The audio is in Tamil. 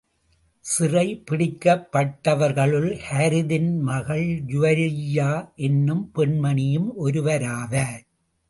சிறைப் பிடிக்கப்பட்டவர்களுள் ஹாரிதின் மகள் ஜூவைரிய்யா என்னும் பெண்மணியும் ஒருவராவர்.